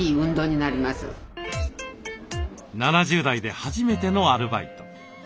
７０代で初めてのアルバイト。